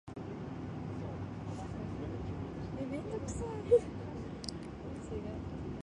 シウダ・レアル県の県都はシウダ・レアルである